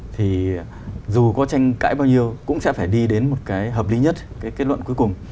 thì dù có tranh cãi bao nhiêu cũng sẽ phải đi đến một cái hợp lý nhất cái kết luận cuối cùng